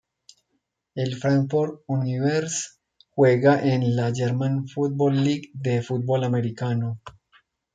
El Frankfurt Universe juega en la German Football League de fútbol americano.